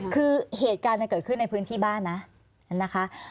คือเหตุการณ์เกิดขึ้นในพื้นที่บ้านนะนะคะ